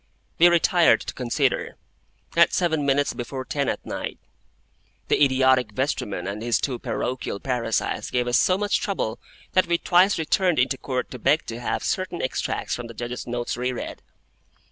We retired to consider, at seven minutes before ten at night. The idiotic vestryman and his two parochial parasites gave us so much trouble that we twice returned into Court to beg to have certain extracts from the Judge's notes re read.